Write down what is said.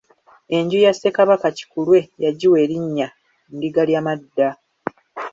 Enju ya Ssekabaka Kikulwe yagiwa elinnya Ndigalyamadda.